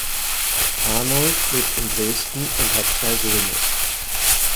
Arnold lebt in Dresden und hat zwei Söhne.